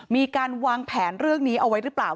มีการวางแผนเรื่องนี้เอาไว้หรือเปล่า